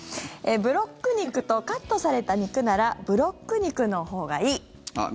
ブロック肉とカットされた肉ならブロック肉のほうがいい。